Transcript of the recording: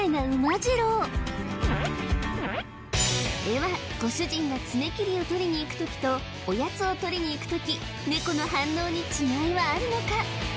次郎ではご主人が爪切りを取りにいく時とおやつを取りにいく時ネコの反応に違いはあるのか？